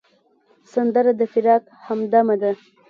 سندره د فراق همدمه ده